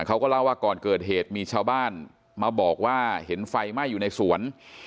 เขาก็เล่าว่าก่อนเกิดเหตุมีชาวบ้านมาบอกว่าเห็นไฟไหม้อยู่ในสวน